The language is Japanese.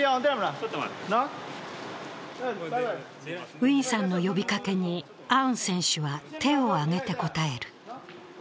ウィンさんの呼びかけにアウン選手は、手を挙げて応える。